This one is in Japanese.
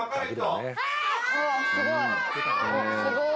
すごい。